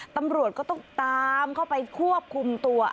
ตำรวจก็ต้องตามเข้าไปควบคุมตัว